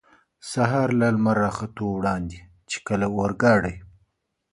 سهار له لمر را ختو وړاندې، چې کله اورګاډی.